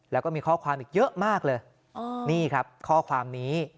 แล้วก็มีข้อความอีกเยอะมากเลยนี่ครับข้อความนี้